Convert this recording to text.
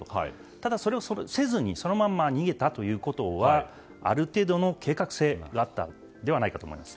ただ、それをせずにそのまま逃げたということはある程度の計画性があったのではないかと思います。